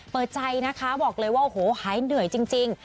เปิดใจนะคะบอกเลยว่าโอ้โหหายเหนื่อยจริง